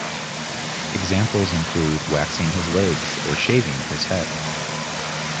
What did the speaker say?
Examples include waxing his legs or shaving his head.